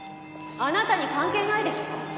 あなたに関係ないでしょ！